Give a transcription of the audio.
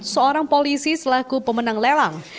seorang polisi selaku pemenang lelang